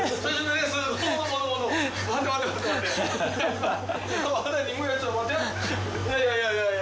いやいやいやいや。